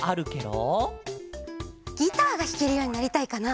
ギターがひけるようになりたいかな！